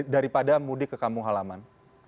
daripada mudik kekamu halaman